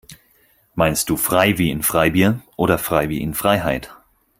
Meinst du frei wie in Freibier oder frei wie in Freiheit?